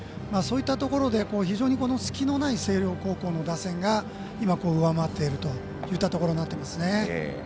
そういったところで非常に隙のない星稜高校の打線が、上回っているといったところになってますね。